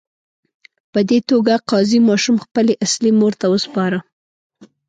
په دې توګه قاضي ماشوم خپلې اصلي مور ته وسپاره.